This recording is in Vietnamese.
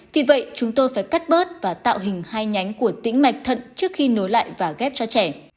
vì vậy chúng tôi phải cắt bớt và tạo hình hai nhánh của tĩnh mạch thận trước khi nối lại và ghép cho trẻ